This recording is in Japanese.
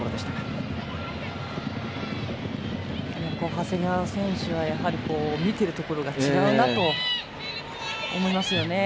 長谷川選手は見ているところが違うなと思いますよね。